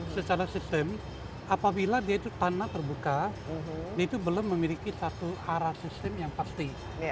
secara sistem apabila dia itu tanah terbuka dia itu belum memiliki satu arah sistem yang pasti